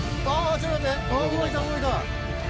ちょっと待って。